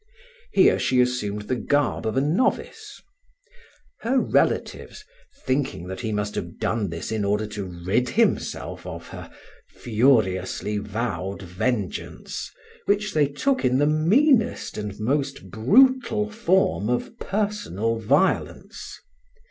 Here she assumed the garb of a novice. Her relatives, thinking that he must have done this in order to rid himself of her, furiously vowed vengeance, which they took in the meanest and most brutal form of personal violence.